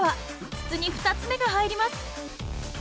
筒に２つ目が入ります。